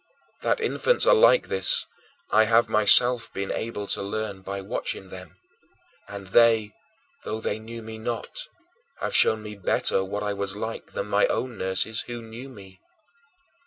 That infants are like this, I have myself been able to learn by watching them; and they, though they knew me not, have shown me better what I was like than my own nurses who knew me.